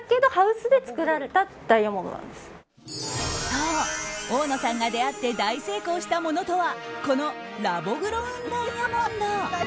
そう、大野さんが出会って大成功したものとはこのラボグロウンダイヤモンド。